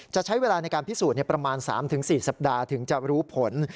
จะใช้เวลาในการพิสูจน์ประมาณ๓๔สัปดาห์ถึงจะรู้ผล